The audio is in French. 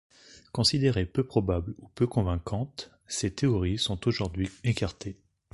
Considérées peu probables ou peu convaincantes, ces théories sont aujourd'hui écartées.